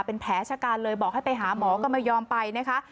เป็นแผลชะกันเลยบอกให้ไปหาหมอก็ไม่ยอมไปนะคะ